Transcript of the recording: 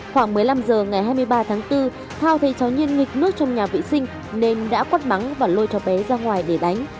khoảng một mươi năm h ngày hai mươi ba tháng bốn thao thấy cháu nhiên nghịch nước trong nhà vệ sinh nên đã quắt bắn và lôi cháu bé ra ngoài để đánh